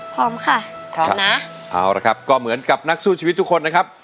พร้อมค่ะพร้อมนะเอาละครับก็เหมือนกับนักสู้ชีวิตทุกคนนะครับ